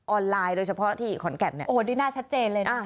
ไลน์โดยเฉพาะที่ขอนแก่นเนี่ยโอ้นี่น่าชัดเจนเลยนะ